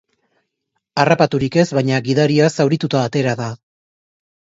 Harrapaturik ez baina gidaria zaurituta atera da.